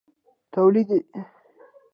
تولیدي اړیکې د مؤلده ځواکونو د ودې مخنیوی کوي.